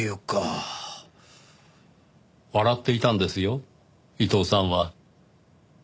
笑っていたんですよ伊藤さんは。